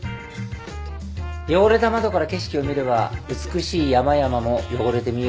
汚れた窓から景色を見れば美しい山々も汚れて見えるものだよ。